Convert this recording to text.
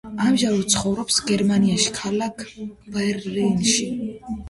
ამჟამად ცხოვრობს გერმანიაში, ქალაქ ბერლინში.